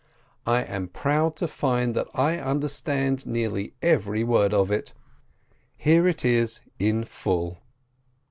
I am proud to find that I understand nearly every word of it. Here it is in full.